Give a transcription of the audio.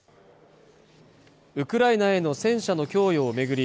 ウクライナへの戦車の供与を巡り